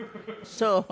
そう？